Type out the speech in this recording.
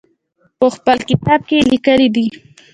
په خپل کتاب کې یې لیکلي دي.